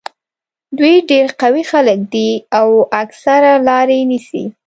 دوی ډېر قوي خلک دي او اکثره لارې نیسي.